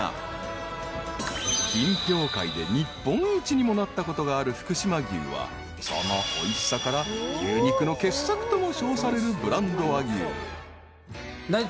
［品評会で日本一にもなったことがある福島牛はそのおいしさから牛肉の傑作とも称されるブランド和牛］